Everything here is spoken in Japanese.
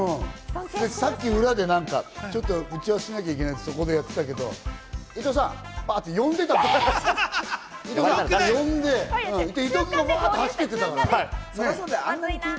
さっき裏で何か打ち合わせしなきゃいけないって、そこでやってたけど、伊藤さん！って呼んでたもんな。